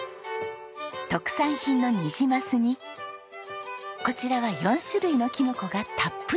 特産品のニジマスにこちらは４種類のキノコがたっぷり！